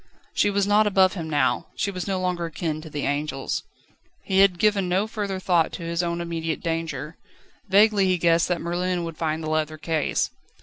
She was not above him now, she was no longer akin to the angels. He had given no further thought to his own immediate danger. Vaguely he guessed that Merlin would find the leather case.